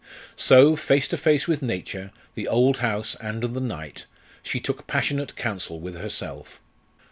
So, face to face with Nature, the old house, and the night, she took passionate counsel with herself.